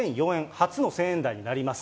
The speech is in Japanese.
初の１０００円台になります。